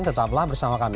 tetaplah bersama kami